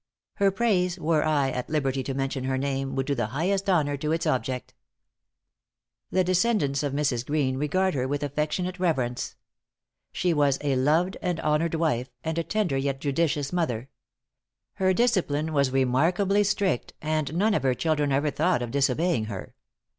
Her praise, were I at liberty to mention her name, would do the highest honor to its object. The descendants of Mrs. Greene regard her with affectionate reverence. She was a loved and honored wife, and a tender yet judicious mother. Her discipline was remarkably strict, and none of her children ever thought of disobeying her.